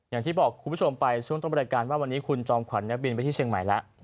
อย่างที่บอกคุณผู้ชมไปช่วงต้นบริการว่าวันนี้คุณจอมขวัญบินไปที่เชียงใหม่แล้ว